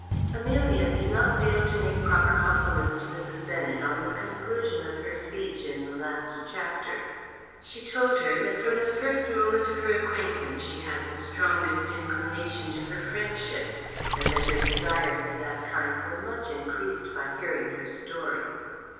_ Amelia did not fail to make proper compliments to Mrs. Bennet on the conclusion of her speech in the last chapter. She told her that, from the first moment of her acquaintance, she had the strongest inclination to her friendship, and that her desires of that kind were much increased by hearing her story.